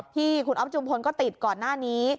ที่คุณอ๊อฟจุมพลก็ติดก่อนหน้านี้